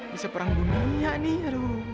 bisa perang dunia nih ru